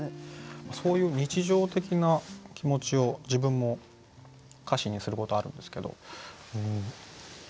そういう日常的な気持ちを自分も歌詞にすることあるんですけど。